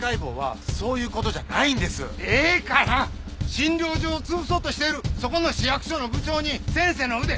診療所を潰そうとしているそこの市役所の部長に先生の腕